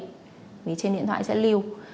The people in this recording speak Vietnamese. thì trên điện thoại sẽ lưu